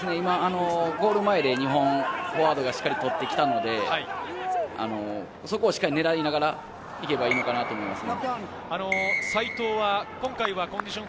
ゴール前で２本フォワードがしっかり取ってきたので、そこはしっかり狙いながら行けばいいのかなと思います。